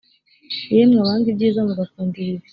yemwe abanga ibyiza mugakunda ibibi